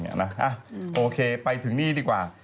โอเคไปถึงนี่ดีกว่า